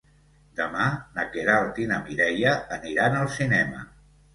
Demà na Queralt i na Mireia aniran al cinema.